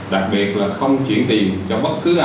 đặc biệt là không chuyển tiền cho bất cứ ai với bất kỳ yêu cầu nào